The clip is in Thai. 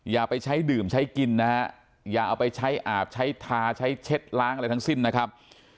อย่าไปใช้ดื่มใช้กินนะฮะอย่าเอาไปใช้อาบใช้ทาใช้เช็ดล้างอะไรทั้งสิ้นนะครับ